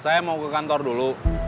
saya mau ke kantor dulu